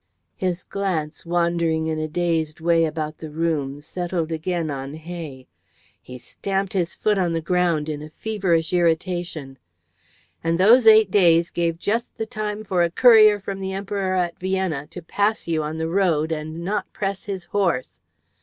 His glance, wandering in a dazed way about the room, settled again on Hay. He stamped his foot on the ground in a feverish irritation. "And those eight days gave just the time for a courier from the Emperor at Vienna to pass you on the road and not press his horse.